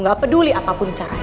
gak peduli apapun caranya